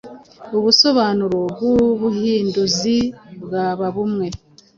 Ubusobanuro bwubuhinduzi bwaba bumwe